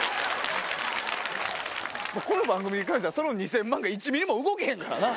この番組はその２０００万が１ｍｍも動けへんからな。